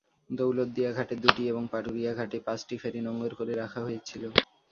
দৌলতদিয়া ঘাটে দুটি এবং পাটুরিয়া ঘাটে পাঁচটি ফেরি নোঙর করে রাখা হয়েছিল।